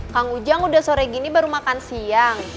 kang ujang udah sore gini baru makan siang